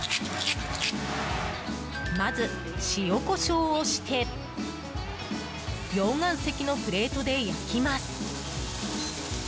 まず、塩コショウをして溶岩石のプレートで焼きます。